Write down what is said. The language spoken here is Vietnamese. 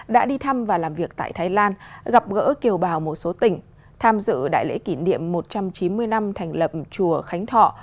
đã đi thăm và làm việc tại thái lan gặp gỡ kiều bào một số tỉnh tham dự đại lễ kỷ niệm một trăm chín mươi năm thành lập chùa khánh thọ